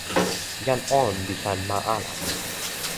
jan On li tan ma Alan.